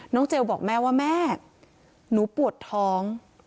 เจลบอกแม่ว่าแม่หนูปวดท้อง